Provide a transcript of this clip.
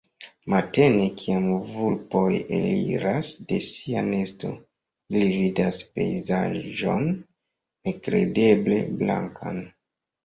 Matene, kiam vulpoj eliras de sia nesto, ili vidas pejzaĝon nekredeble blankan.